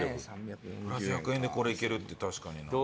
プラス１００円でこれいけるって確かにな。